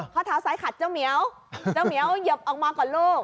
ข้อเท้าซ้ายขัดเจ้าเหมียวเจ้าเหมียวเหยียบออกมาก่อนลูก